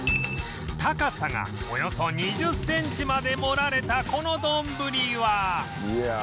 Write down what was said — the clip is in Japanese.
高さがおよそ２０センチまで盛られたこのどんぶりは